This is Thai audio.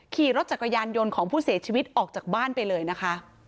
ขี่รถจักรยานยนต์ของผู้เสียชีวิตออกจากบ้านไปเลยนะคะ